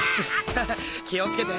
ハハハ気をつけて。